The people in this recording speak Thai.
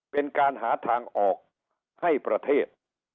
เป็นการหาทางออกให้ประเทศ